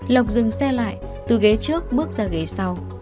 lộc dừng xe lại từ ghế trước bước ra ghế sau